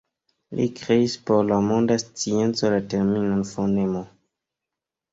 Li kreis por la monda scienco la terminon fonemo.